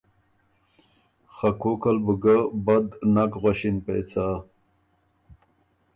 خه کوکل بُو ګۀ بد نک غؤݭِن پېڅه۔